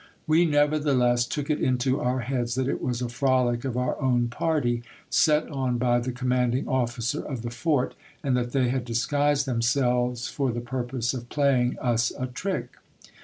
We nevertheless took it into our heads that it was a frolic of our own party, set on by the commanding officer of the fort, and that they had disguised themselves for the purpose of playing us a trick.